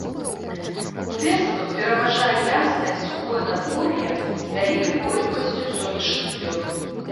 Увесну пераважае яснае і сухое надвор'е, з вялікай колькасцю сонечных дзён.